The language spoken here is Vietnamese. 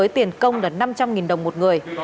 tiền công là năm trăm linh nghìn đồng một người